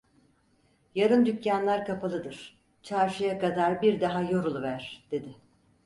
"Yarın dükkânlar kapalıdır, çarşıya kadar bir daha yoruluver!" dedi.